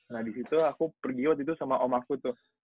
nah di situ aku pergi waktu itu sama om aku tuh